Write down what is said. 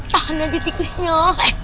tahan aja tikusnya